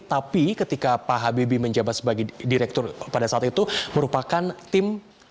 tapi ketika pak habibie menjabat sebagai direktur pada saat itu merupakan tim